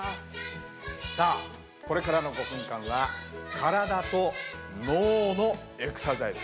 さあこれからの５分間は体と脳のエクササイズ。